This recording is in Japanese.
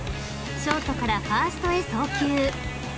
［ショートからファーストへ送球］